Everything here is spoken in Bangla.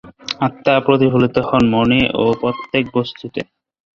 আত্মা প্রতিফলিত হন মনে ও প্রত্যেক বস্তুতে।